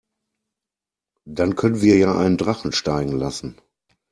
Dann können wir ja einen Drachen steigen lassen.